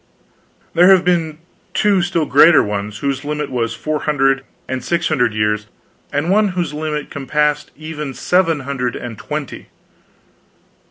"There have been two still greater ones, whose limit was four hundred and six hundred years, and one whose limit compassed even seven hundred and twenty."